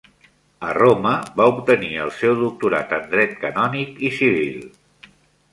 A Roma va obtenir el seu doctorat en Dret canònic i civil.